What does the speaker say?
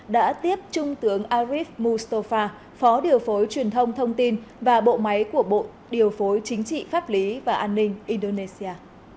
đã tiếp trung tướng arif mustafa phó điều phối truyền thông thông tin và bộ máy của bộ điều phối chính trị pháp lý và an ninh indonesia